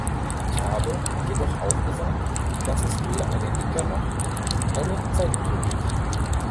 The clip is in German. Ich habe jedoch auch gesagt, dass es weder eine Hinternoch eine Seitentür gibt.